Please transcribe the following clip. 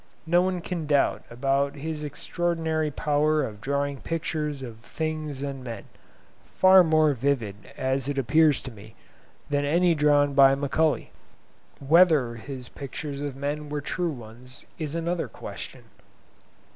No one can doubt about his extraordinary power of drawing pictures of things and men—far more vivid, as it appears to me, than any drawn by Macaulay. Whether his pictures of men were true ones is another question.